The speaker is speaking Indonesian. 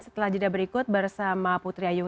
setelah jeda berikut bersama putri ayu